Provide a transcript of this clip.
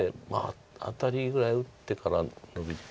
アタリぐらい打ってからノビて。